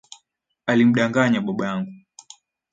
Alimdanganya baba yangu